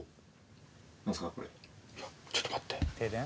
いやちょっと待って。